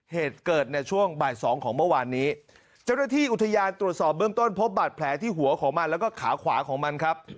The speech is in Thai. เหตุเกิดในช่วงบ่ายสองของเมื่อวานนี้เจ้าหน้าที่อุทยานตรวจสอบเบื้องต้นพบบาดแผลที่หัวของมันแล้วก็ขาขวาของมันครับ